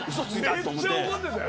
めっちゃ怒ってたよ。